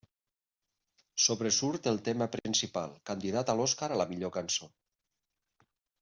Sobresurt el tema principal, candidat a l'Oscar a la millor cançó.